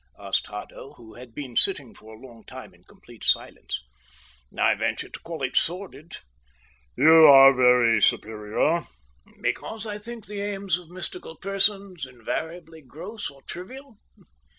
asked Haddo, who had been sitting for a long time in complete silence. "I venture to call it sordid." "You are very superior." "Because I think the aims of mystical persons invariably gross or trivial?